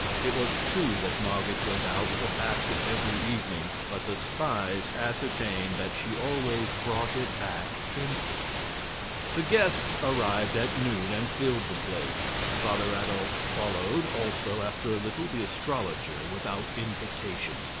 It was true that Marget went out with a basket every evening, but the spies ascertained that she always brought it back empty. The guests arrived at noon and filled the place. Father Adolf followed; also, after a little, the astrologer, without invitation.